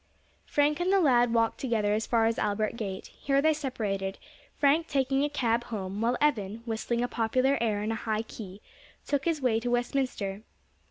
Frank and the lad walked together as far as Albert Gate; here they separated, Frank taking a cab home, while Evan, whistling a popular air in a high key, took his way to Westminster.